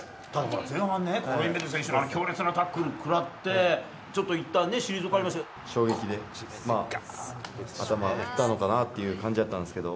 前半ね、コロインベテ選手の強烈なタックルくらって、ちょっといったん退衝撃で、頭打ったのかなっていう感じだったんですけど。